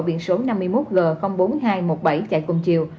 biển số năm mươi một g bốn nghìn hai trăm một mươi bảy chạy cùng chiều